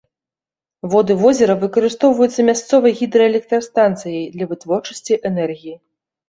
Воды возера выкарыстоўваюцца мясцовай гідраэлектрастанцый для вытворчасці энергіі.